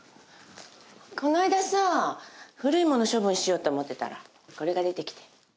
この間さ古いもの処分しようと思ってたらこれが出てきて。